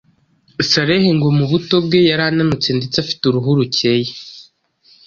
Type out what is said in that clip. Saleh ngo mu buto bwe yari ananutse ndetse afite uruhu rukeye